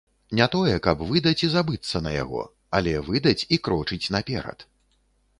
Не тое, каб выдаць і забыцца на яго, але выдаць і крочыць наперад.